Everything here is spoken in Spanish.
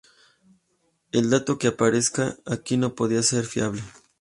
El dato que aparezca aquí no podría ser fiable.